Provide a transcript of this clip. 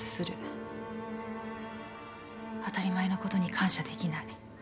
当たり前のことに感謝できない。